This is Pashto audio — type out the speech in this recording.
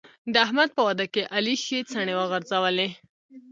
د احمد په واده کې علي ښې څڼې وغورځولې.